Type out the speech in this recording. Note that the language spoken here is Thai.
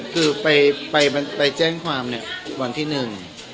คือไปแจ้งความวันที่หนึ่ง